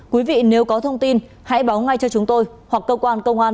quý vị nếu có thông tin hãy báo ngay cho chúng tôi hoặc cơ quan công an